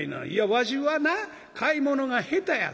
わしはな買い物が下手や。